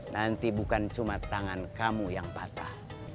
nanti bukan cuma tangan kamu yang patah